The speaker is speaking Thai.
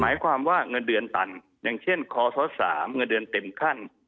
อย่างเช่นข๓เงินเดือนเต็มขั้น